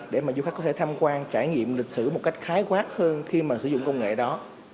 để mà du khách có thể tham quan trải nghiệm lịch sử một cách khái quát hơn khi mà sử dụng công nghệ đó